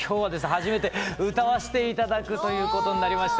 初めて歌わせて頂くということになりました。